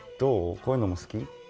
こういうのも好き？